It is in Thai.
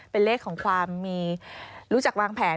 เป็นเลขของความมีรู้จักวางแผน